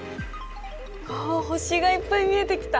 星がいっぱい見えてきた！